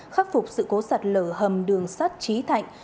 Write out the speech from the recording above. khắc phục sự cố sạt lở hầm đường sắt trí thạnh